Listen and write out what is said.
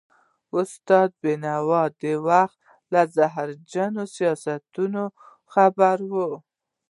استاد بينوا د وخت له زهرجنو سیاستونو خبر و.